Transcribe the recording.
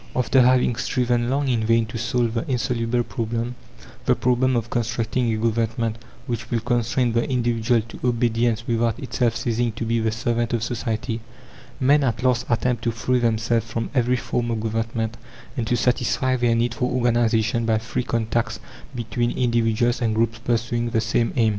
After having striven long in vain to solve the insoluble problem the problem of constructing a government "which will constrain the individual to obedience without itself ceasing to be the servant of society," men at last attempt to free themselves from every form of government and to satisfy their need for organization by free contacts between individuals and groups pursuing the same aim.